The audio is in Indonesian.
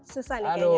susah nih kayaknya